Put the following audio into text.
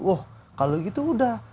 wah kalau gitu udah